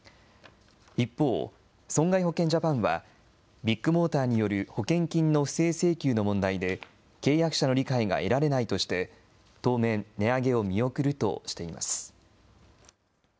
一方、損害保険ジャパンは、ビッグモーターによる保険金の不正請求の問題で契約者の理解が得られないとして、当面、値上げを見送るとしています。